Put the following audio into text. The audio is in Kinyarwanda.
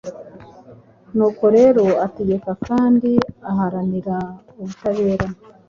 Nuko rero ategeka kandi aharanira ubutabera